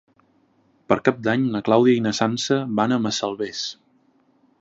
Per Cap d'Any na Clàudia i na Sança van a Massalavés.